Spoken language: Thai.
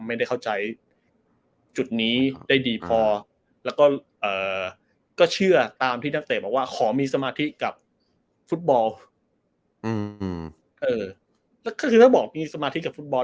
ไม่ได้เข้าใจจุดนี้ได้ดีพอแล้วก็เชื่อตามที่นักเตะบอกว่าขอมีสมาธิกับฟุตบอล